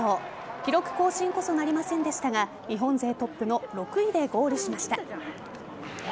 記録更新こそなりませんでしたが日本勢トップの６位でゴールしました。